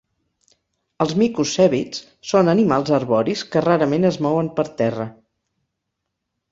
Els micos cèbids són animals arboris que rarament es mouen per terra.